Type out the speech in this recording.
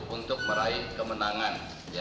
untuk meraih kemenangan